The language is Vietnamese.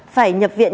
phải nhập viện